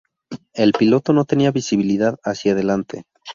El piloto no tenía visibilidad hacia delante.